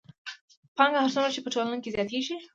پانګه هر څومره چې په ټولنه کې زیاتېږي